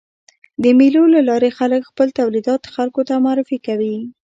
د مېلو له لاري خلک خپل تولیدات خلکو ته معرفي کوي.